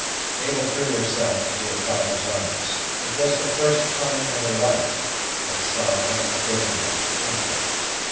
Mabel threw herself into her father's arms it was the first time in her life and sobbed on his bosom like an infant.